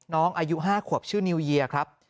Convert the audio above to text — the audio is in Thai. น้องอายุ๕ขวบชื่อนิวเยียร์ครับ